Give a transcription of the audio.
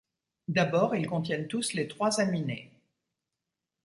D’abord, ils contiennent tous les trois aminés.